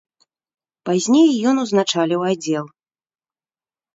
Пазней ён узначаліў аддзел.